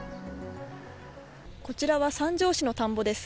こちらは三条市の田んぼです。